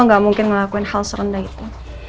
lo gak mungkin ngelakuin hal serendah itu